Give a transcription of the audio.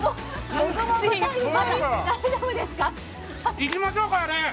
いきましょうか、あれ。